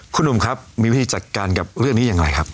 คุณหนุ่มครับมีวิธีจัดการกับเรื่องนี้อย่างไรครับ